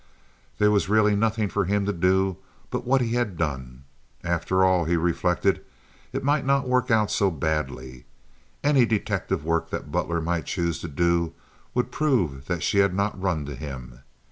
There was really nothing for him to do but what he had done. After all, he reflected, it might not work out so badly. Any detective work that Butler might choose to do would prove that she had not run to him.